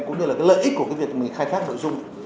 cũng như là lợi ích của việc mình khai thác nội dung